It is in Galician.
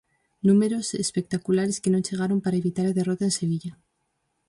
Números espectaculares que non chegaron para evitar a derrota en Sevilla.